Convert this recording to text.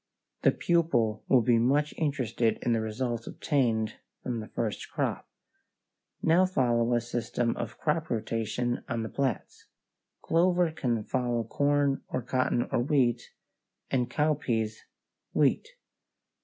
The pupil will be much interested in the results obtained from the first crop. [Illustration: FIG. 13] Now follow a system of crop rotation on the plats. Clover can follow corn or cotton or wheat; and cowpeas, wheat.